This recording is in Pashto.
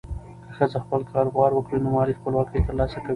که ښځه خپل کاروبار وکړي، نو مالي خپلواکي ترلاسه کوي.